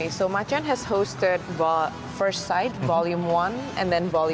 jadi museum macan telah mengundangkan first sight vol satu dan vol dua